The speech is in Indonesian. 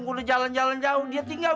gue udah jalan jalan jauh dia tinggal